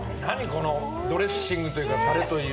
このドレッシングというかたれという。